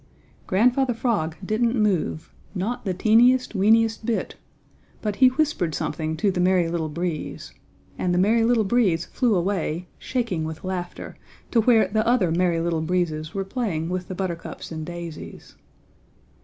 Grandfather Frog didn't move, not the teeniest, weeniest bit, but he whispered something to the Merry Little Breeze, and the Merry Little Breeze flew away, shaking with laughter, to where the other Merry Little Breezes were playing with the buttercups and daisies.